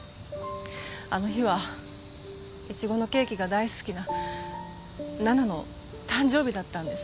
あの日はいちごのケーキが大好きな奈々の誕生日だったんです。